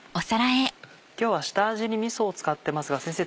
今日は下味にみそを使ってますが先生